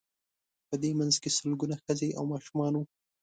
په دې منځ کې سلګونه ښځې او ماشومان وو.